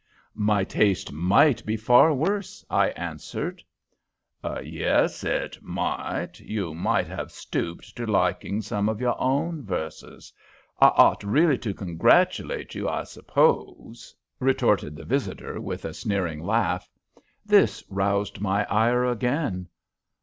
"My taste might be far worse," I answered. "Yes, it might. You might have stooped to liking some of your own verses. I ought really to congratulate you, I suppose," retorted the visitor, with a sneering laugh. This roused my ire again.